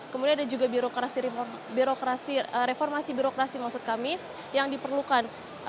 kemudian ada juga reformasi birokrasi yang diperlukan